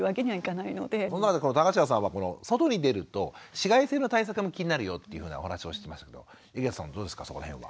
田頭さんは外に出ると紫外線の対策も気になるよというふうなお話もしてましたけど井桁さんどうですかそこの辺は。